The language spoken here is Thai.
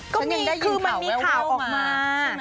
ก็คือมันมีข่าวออกมา